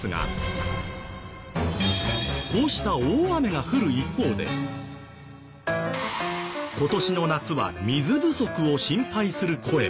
こうした大雨が降る一方で今年の夏は水不足を心配する声も。